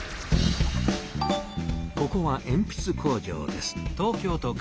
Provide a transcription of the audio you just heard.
ここはえんぴつ工場です。